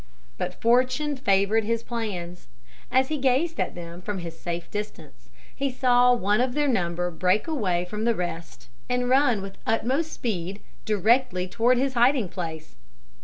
But fortune favored his plans. As he gazed at them from his safe distance he saw one of their number break away from the rest and run with utmost speed directly toward his hiding place.